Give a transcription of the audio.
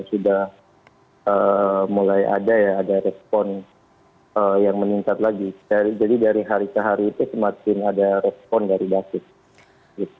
sudah mulai ada ya ada respon yang meningkat lagi jadi dari hari ke hari itu semakin ada respon dari david